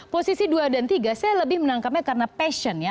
posisi dua dan tiga saya lebih menangkapnya karena passion ya